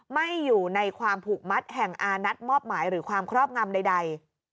ไม่อยู่ในความผูกมัดแห่งอานัดมอบหมายหรือความครอบงำใด